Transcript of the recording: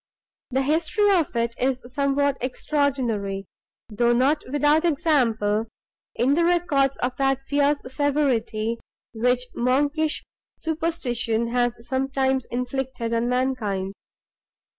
The history of it is somewhat extraordinary, though not without example in the records of that fierce severity, which monkish superstition has sometimes inflicted on mankind.